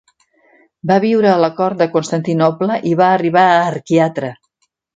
Va viure a la cort de Constantinoble i va arribar a arquiatre.